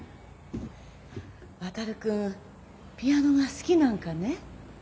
航君ピアノが好きなんかね？